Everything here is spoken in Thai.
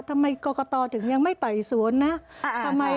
ทำไมกรกตถึงยังไม่ไต่สวนนะ